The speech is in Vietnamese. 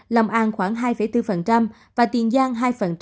lòng an khoảng hai bốn và tiền giang hai